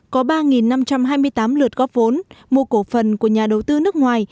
có ba năm trăm hai mươi tám lượt góp vốn mua cổ phần của nhà đầu tư nước ngoài